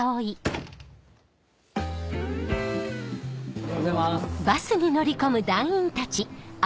おはようございます。